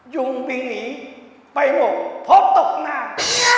ยุงวิงหนีไปหมดพบตกนาง